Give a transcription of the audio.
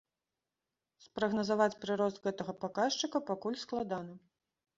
Спрагназаваць прырост гэтага паказчыка пакуль складана.